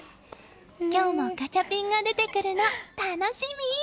今日もガチャピンが出てくるの楽しみ！